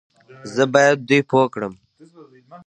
زه بايد دوی پوه کړم